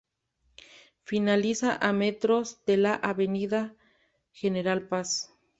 Finaliza a metros de la Avenida General Paz.